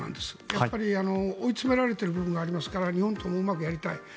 やっぱり追い詰められているところがありますから日本ともうまくやりたい。